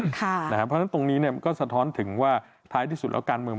ค่ะนะฮะเพราะฉะนั้นตรงนี้เนี้ยก็สะท้อนถึงว่าท้ายที่สุดแล้วการเมิม